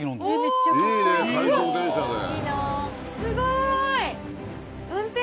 すごい。